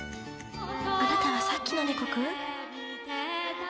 あなたは、さっきの猫君？